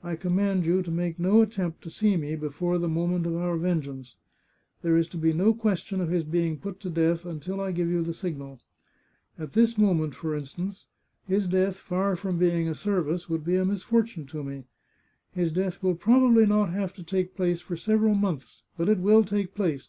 I command you to make no attempt to see me before the moment of our vengeance. There is to be no question of his being put to death until I give you the signal. At this moment, for instance, his death, far from being a service, would be a misfortune to me. His death will probably not have to take place for several months, but it will take place